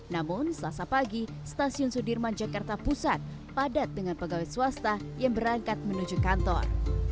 namun selasa pagi stasiun sudirman jakarta pusat padat dengan pegawai swasta yang berangkat menuju kantor